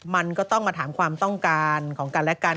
มันก็ต้องมาถามความต้องการของกันและกัน